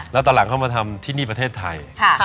แล้วตอนหลังเข้ามาทำที่นี่ประเทศไทย